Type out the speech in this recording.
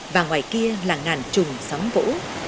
và ngoài kia là ngàn trùng sóng vỗ